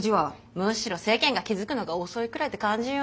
むしろ世間が気付くのが遅いくらいって感じよ。